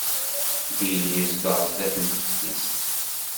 Bill yezdeɣ sdat teftist.